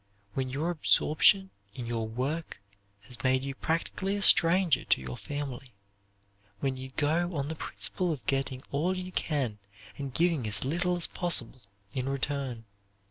When your absorption in your work has made you practically a stranger to your family. When you go on the principle of getting all you can and giving as little as possible in return.